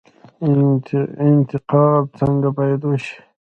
انتقاد څنګه باید وشي؟